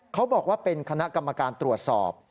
เขาบอกว่าเป็นคณะกรรมการตรวจสอบ